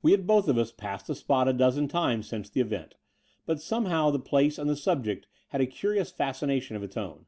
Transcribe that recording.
We had both of us passed the spot a dozen times since the event ; but somehow the place and the subject had a curious fascination of its own.